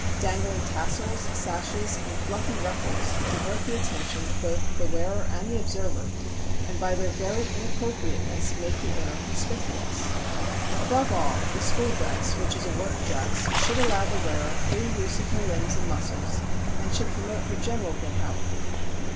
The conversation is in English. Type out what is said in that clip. Dangling tassels, sashes, and fluffy ruffles divert the attention of both the wearer and the observer and by their very inappropriateness make the owner conspicuous. Above all, the school dress, which is a work dress, should allow the wearer free use of her limbs and muscles and should promote her general good health.